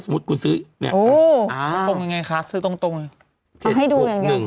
แล้วสรุปเอ๋าเราบอกผลในวันนี้เลขอะไรบ้าง